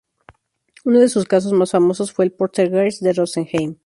Uno de sus casos más famosos fue el poltergeist de Rosenheim.